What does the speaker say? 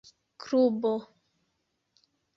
klubo